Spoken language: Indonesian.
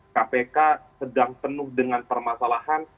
kpk sedang penuh dengan permasalahan